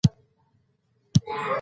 د رسول الله ﷺ پلرونه مؤمن نه وو